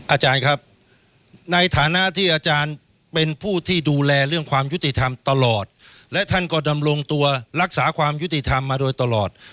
อาจารย์ครับในฐานะที่อาจารย์เป็นผู้ที่ดูแลเรื่องความยุติธรรมตลอดและท่านก็ดำรงตัวรักษาความยุติธรรมมาโดยตลอด